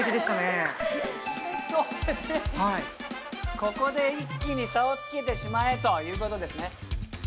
ここで一気に差をつけてしまえということですね。